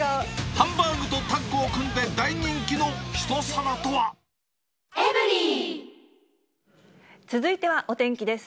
ハンバーグとタッグを組んで大人気の一皿とは。続いてはお天気です。